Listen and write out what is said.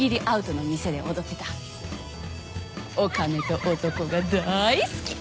お金と男がだい好き。